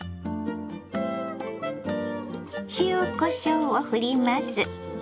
塩こしょうをふります。